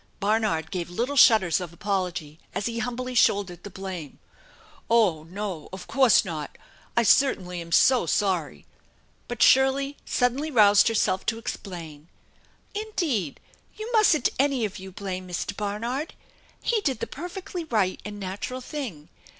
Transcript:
Barnard gave little shudders of apology as he humbly shouldered the blame :" Oh, no, of course not ! I certainly am so sorry !" But Shirley suddenly roused herself to explain: " Indeed, you mustn't any of you blame Mr. Barnard. He did the perfectly right and natural thing.